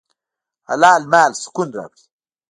حلال مال سکون راوړي.